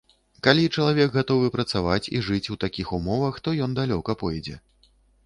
Калі чалавек гатовы працаваць і жыць у такіх умовах, то ён далёка пойдзе.